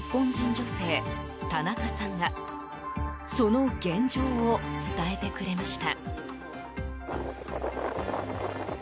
女性田中さんがその現状を伝えてくれました。